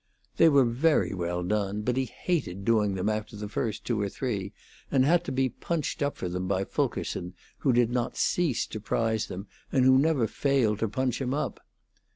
They were very well done, but he hated doing them after the first two or three, and had to be punched up for them by Fulkerson, who did not cease to prize them, and who never failed to punch him up.